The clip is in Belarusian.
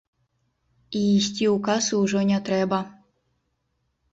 І ісці ў касу ўжо не трэба.